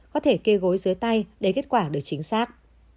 có thể kê gối dưới tay để kết quả được chính xác